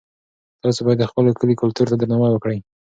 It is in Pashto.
تاسي باید د خپل کلي کلتور ته درناوی وکړئ.